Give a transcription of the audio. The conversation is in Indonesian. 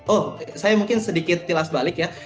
oh saya mungkin sedikit tilas balik ya